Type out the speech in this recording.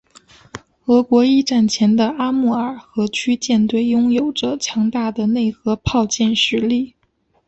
俄国一战前的阿穆尔河区舰队拥有着强大的内河炮舰实力。